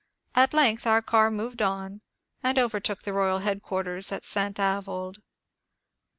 At length our car moved on and overtook the royal headquarters at St. Avoid.